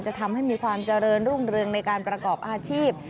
จะทำให้มีความเจริญรุ่งเรืองในการประกอบอาชีพ